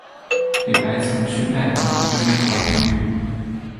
李白曾去拜访之而不遇。